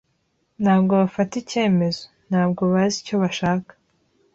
Ntabwo bafata icyemezo. Ntabwo bazi icyo bashaka.